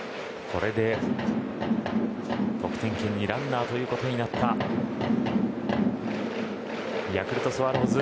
これで得点圏にランナーということになったヤクルトスワローズ